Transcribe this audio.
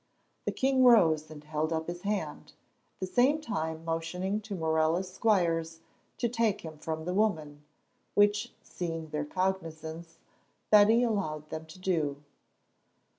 The king rose and held up his hand, at the same time motioning to Morella's squires to take him from the woman, which, seeing their cognizance, Betty allowed them to do.